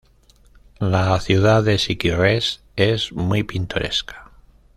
La ciudad de Siquirres es muy pintoresca.